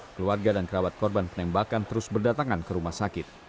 keluarga dan kerabat korban penembakan terus berdatangan ke rumah sakit